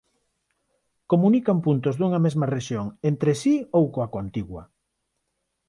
Comunican puntos dunha mesma rexión entre si ou coa contigua.